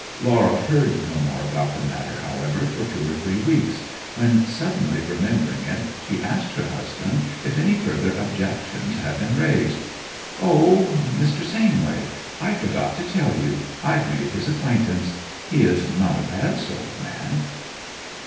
Laura heard no more about the matter, however, for two or three weeks, when suddenly remembering it she asked her husband if any further objections had been raised. 'O Mr. Sainway. I forgot to tell you. I've made his acquaintance. He is not a bad sort of man.'